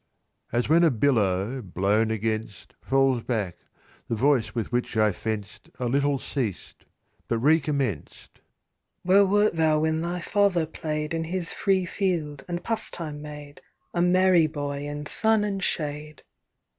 As when a billow, blown against, Falls back, the voice with which I fenced A little ceased, but recommenced. "Where wert thou when thy father play'd In his free field, and pastime made, A merry boy in sun and shade?